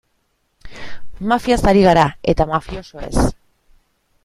Mafiaz ari gara, eta mafiosoez.